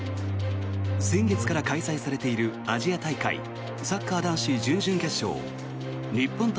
先月から開催されているアジア大会サッカー男子準々決勝日本対